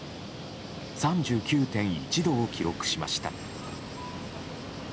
３９．１度を記録しました。